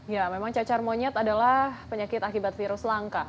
ya memang cacar monyet adalah penyakit akibat virus langka